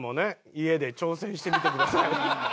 家で挑戦してみてください。